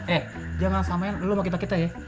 eh jangan samain lu mau kita kita ya